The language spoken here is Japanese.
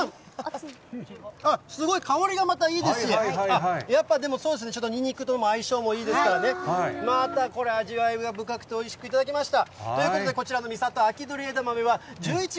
あっ、すごい、香りがまたいいですし、やっぱ、でも、そうですね、ニンニクとも相性がいいですからね、またこれ、味わい深くておいしく頂きました。